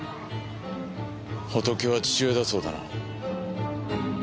ホトケは父親だそうだな。